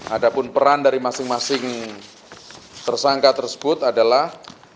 ada pun peran dari masing masing tersangka tersebut adalah